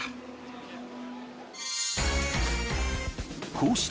［こうして］